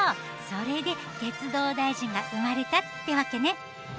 それで鉄道大臣が生まれたってわけね。